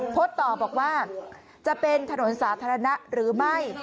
โพสต์ต่อบอกว่าจะเป็นถนนสาธารณะหรือไม่